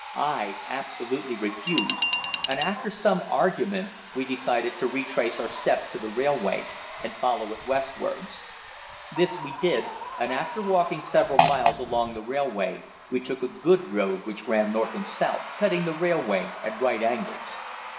I absolutely refused, and after some argument we decided to retrace our steps to the railway and follow it westwards. This we did, and after walking several miles along the railway we took a good road which ran north and south, cutting the railway at right angles.